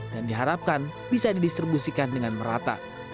dan diharapkan bisa didistribusikan dengan merata